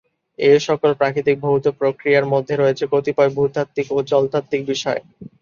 এসকল প্রাকৃতিক ভৌত প্রক্রিয়ার মধ্যে রয়েছে কতিপয় ভূতাত্ত্বিক ও জলতাত্ত্বিক বিষয়।